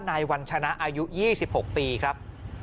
นายวัญชนะอายุ๒๖ปีครับ